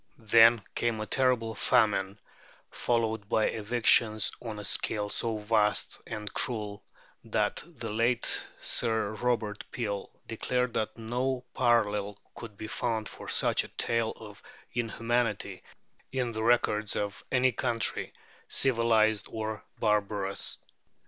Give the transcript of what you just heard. Then came a terrible famine, followed by evictions on a scale so vast and cruel that the late Sir Robert Peel declared that no parallel could be found for such a tale of inhumanity in "the records of any country, civilized or barbarous."